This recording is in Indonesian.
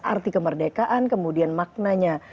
arti kemerdekaan kemudian maknanya